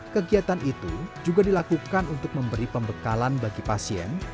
kegiatan itu juga dilakukan untuk memberi pembekalan bagi pasien